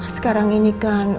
sekarang ini kan